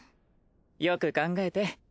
よく考えて。